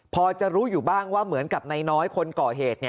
พอจะรู้อยู่บ้างว่าเหมือนกับนายน้อยคนก่อเหตุ